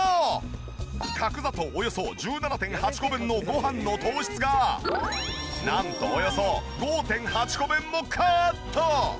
角砂糖およそ１７．８個分のごはんの糖質がなんとおよそ５．８個分もカット！